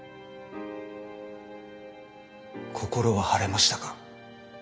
心は晴れましたか？